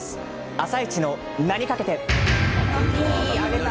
「あさイチ」の名にかけて。